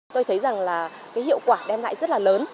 tôi thấy rằng là cái hiệu quả đem lại rất là lớn